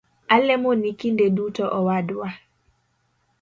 Alemoni kinde duto owadwa